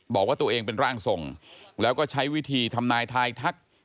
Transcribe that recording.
บอกว่าตัวเองเป็นร่างทรงแล้วก็ใช้วิธีทำนายทายทัก